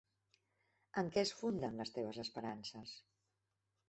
En què es funden, les teves esperances?